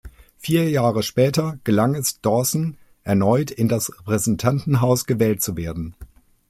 Vier Jahre später gelang es Dawson, erneut in das Repräsentantenhaus gewählt zu werden.